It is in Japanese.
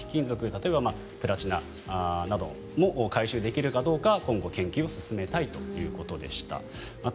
例えばプラチナなども回収できるかどうか今後、研究を進めたいということでした。